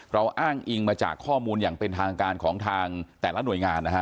อ้างอิงมาจากข้อมูลอย่างเป็นทางการของทางแต่ละหน่วยงานนะฮะ